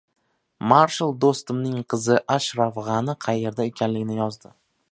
Marshal Do‘stumning qizi Ashraf G‘ani qayerda ekanligini yozdi